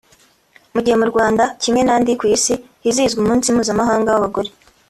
Mu gihe mu Rwanda kimwe n’andi ku isi hizihizwa umunsi mpuzamahanga w’abagore